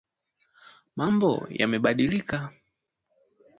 Mambo yamebadilika